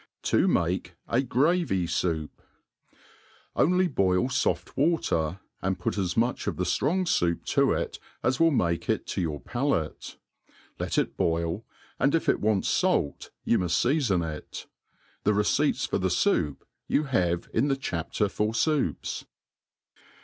To mak€ a Gravy^Soup. ONLY boil foft water, and put as much of the ftrong foup to it as will make it to your palate. Let it boil ; and if it wants fait, you muft feafon it* Tb^ receipts for the foup you have in the chapter for foups.